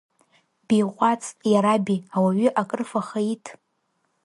Биҟәаҵ, иараби, ауаҩы акрыфаха иҭ!